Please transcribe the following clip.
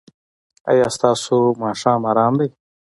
ایا ستاسو ماښام ارام دی؟